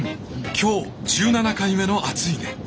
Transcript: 今日１７回目の「暑いね」。